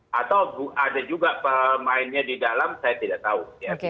atau ada juga pemainnya di dalam saya tidak tahu